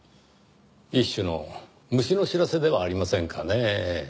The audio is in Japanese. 一種の虫の知らせではありませんかねぇ。